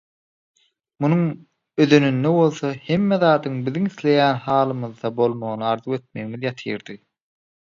Munuň özeninde bolsa hemme zadyň biziň isleýän halymyzda bolmagyny arzuw etmegimiz ýatyrdy.